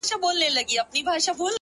په دې وطن کي په لاسونو د ملا مړ سوم’